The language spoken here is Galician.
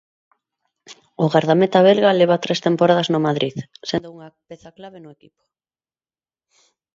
O gardameta belga leva tres temporadas no Madrid, sendo unha peza clave no equipo.